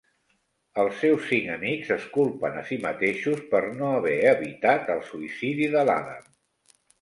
Els seus cinc amics es culpen a si mateixos per no haver evitat el suïcidi de l'Adam.